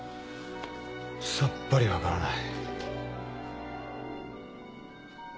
さっぱり分からない。